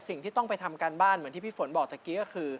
สิ่งที่ต้องไปทำการบ้านเหมือนที่พี่ฝนบอกตะกี้ก็คือ